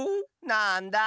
なんだ。